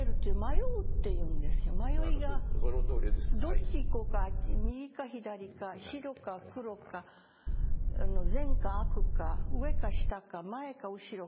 どっち行こうかあっち右か左か白か黒か善か悪か上か下か前か後ろか。